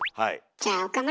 じゃあ岡村。